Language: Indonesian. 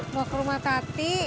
mau ke rumah tati